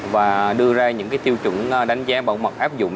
và đưa ra những tiêu chuẩn đánh giá bảo mật áp dụng